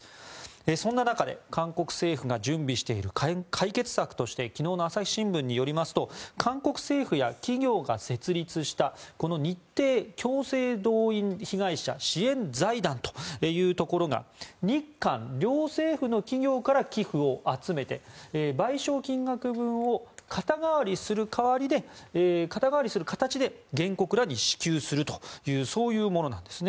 そんな中で韓国政府が準備している解決策として昨日の朝日新聞によりますと韓国政府や企業が設立したこの日帝強制動員被害者支援財団というところが日韓両政府の企業から寄付を集めて賠償金額分を肩代わりする形で原告らに支給するというものなんですね。